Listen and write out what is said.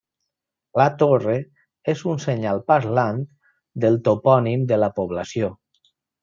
La torre és un senyal parlant del topònim de la població.